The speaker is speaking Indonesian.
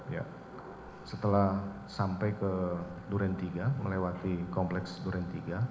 ya setelah sampai ke duren tiga melewati kompleks duren tiga